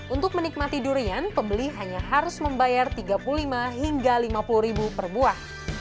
untuk menikmati durian pembeli hanya harus membayar tiga puluh lima hingga lima puluh ribu per buah